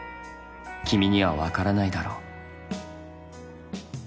君にはわからないだろう。